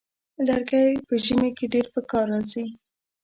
لرګی په ژمي کې ډېر پکار راځي.